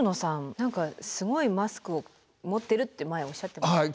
何かすごいマスクを持ってるって前おっしゃってましたよね。